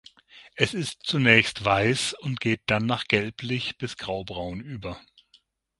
Es ist zunächst weiß und geht dann nach gelblich bis grau-braun über.